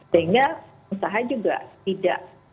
sehingga usaha juga tidak